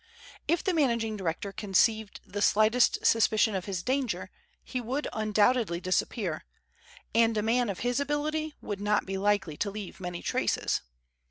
If the managing director conceived the slightest suspicion of his danger he would undoubtedly disappear, and a man of his ability would not be likely to leave many traces.